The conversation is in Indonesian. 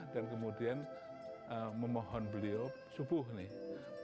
dan kemudian memohon beliau subuh nih